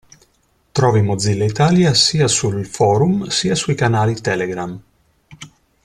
Trovi Mozilla Italia sia sul forum sia sui canali Telegram.